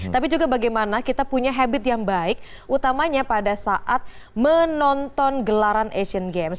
tapi juga bagaimana kita punya habit yang baik utamanya pada saat menonton gelaran asian games